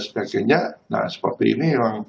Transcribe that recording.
sebagainya nah seperti ini memang